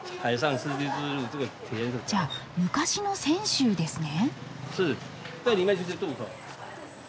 じゃあ昔の泉州ですね？